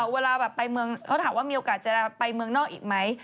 เวลาแบบไปเมืองเขาถามว่ามีโอกาสจะไปเมืองนอกอีกไหม